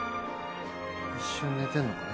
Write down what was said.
一緒に寝てんのかな？